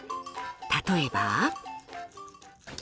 例えば。